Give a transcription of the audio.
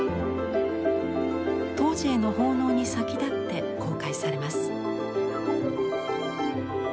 東寺への奉納に先立って公開されます。